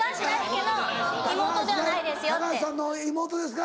「高橋さんの妹ですか？」